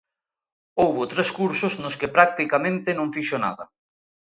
Houbo tres cursos nos que practicamente non fixo nada.